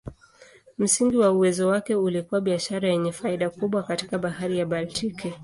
Msingi wa uwezo wake ulikuwa biashara yenye faida kubwa katika Bahari ya Baltiki.